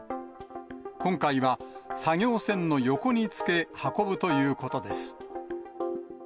今回は作業船の横に付け運ぶということです。